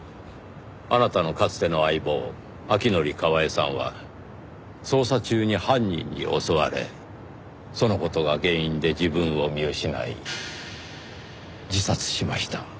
あなたのかつての相棒アキノリ・カワエさんは捜査中に犯人に襲われその事が原因で自分を見失い自殺しました。